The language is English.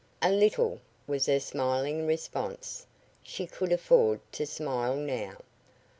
"A little," was her smiling response. She could afford to smile now.